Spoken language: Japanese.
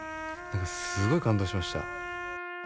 何かすごい感動しました。